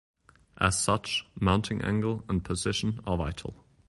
As such, mounting angle and position are vital.